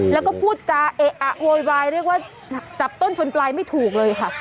แล้วก็พูดจาเอะอะโวยวายเรียกว่าจับต้นชนปลายไม่ถูกเลยค่ะ